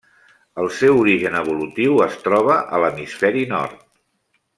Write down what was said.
El seu origen evolutiu es troba a l'hemisferi nord.